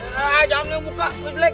jangan liat buka gue jelek